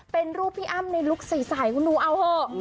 เป็นรูปพี่อ้ำในลูกใสคุณผู้โมนโอ้โห